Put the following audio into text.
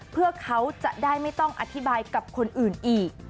เพื่อเขาจะได้ไม่ต้องอธิบายกับคนอื่นอีก